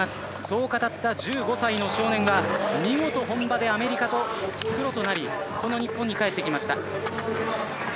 そう語った１５歳の少年は見事本場でアメリカプロとなりこの日本に帰ってきました。